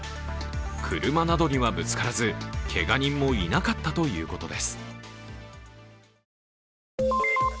車などにはぶつからけが人もいなかったということです。